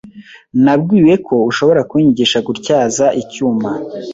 Nabwiwe ko ushobora kunyigisha gutyaza icyuma.